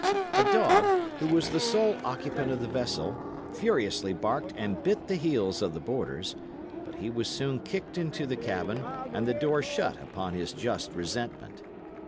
A dog, who was the sole occupant of the vessel, furiously barked and bit the heels of the boarders; but he was soon kicked into the cabin, and the door shut upon his just resentment.